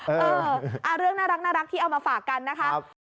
เออเรื่องน่ารักที่เอามาฝากกันนะคะ